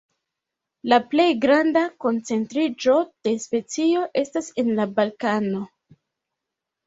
La plej granda koncentriĝo de specio estas en la Balkano.